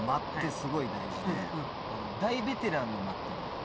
大ベテランの間っていうのがあって。